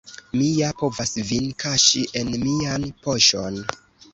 Mi ja povas vin kaŝi en mian poŝon!